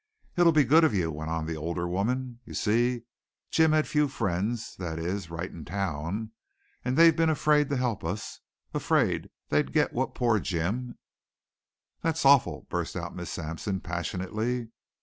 "It'll be good of you," went on the older woman. "You see, Jim had few friends that is, right in town. And they've been afraid to help us afraid they'd get what poor Jim " "That's awful!" burst out Miss Sampson passionately.